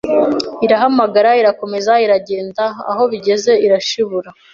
Irahamagara Irakomeza iragenda Aho bigeze irashibura,